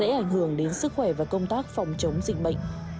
điểm hiện tại sẽ ảnh hưởng đến sức khỏe và công tác phòng chống dịch bệnh